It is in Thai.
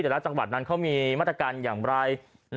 แต่ละจังหวัดนั้นเขามีมาตรการอย่างไร